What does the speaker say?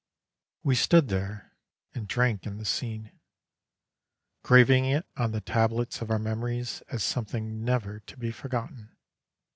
We stood there and drank in the scene, graving it on the tablets of our memories as something never to be forgotten.